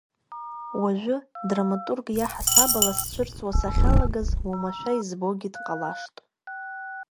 Уажәы драматургк иаҳасаб ала сцәырҵуа сахьалагаз уамашәа избогьы дҟалашт.